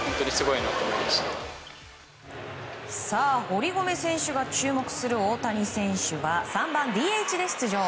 堀米選手が注目する大谷選手は、３番ＤＨで出場。